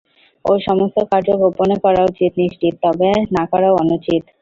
ও-সমস্ত কার্য গোপনে করা উচিত নিশ্চিত, তবে না করাও অনুচিত।